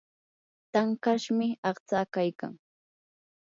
tankashmi aqtsaa kaykan.